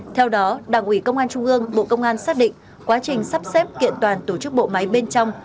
theo đó đảng ủy công an trung ương bộ công an xác định quá trình sắp xếp kiện toàn tổ chức bộ máy bên trong